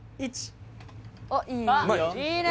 「いいね！」